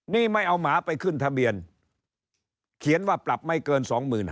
นี่ไม่เอาหมาไปขึ้นทะเบียนเขียนว่าปรับไม่เกิน๒๕๐๐